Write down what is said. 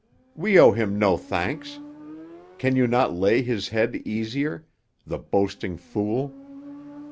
We owe him no thanks. Can you not lay his head easier—the boasting fool!